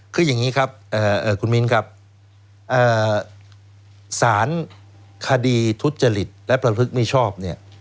คืออย่างนี้ครับคุณมิ้นครับสารคดีทุจริตและประพฤติมิชอบเนี่ย